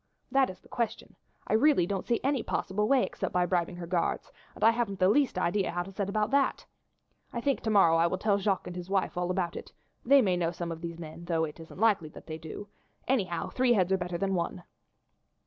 That is the question. I really don't see any possible way except by bribing her guards, and I haven't the least idea how to set about that. I think to morrow I will tell Jacques and his wife all about it; they may know some of these men, though it isn't likely that they do; anyhow, three heads are better than one."